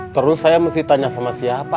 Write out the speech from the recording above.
terus saya mesti tanya sama siapa